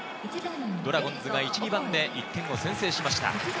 ドラゴンズが１・２番で１点を先制しました。